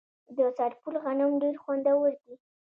د سرپل غنم ډیر خوندور دي.